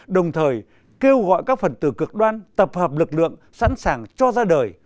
đồng thời kêu gọi các phần tử cực đoan tập hợp lực lượng sẵn sàng cho ra đời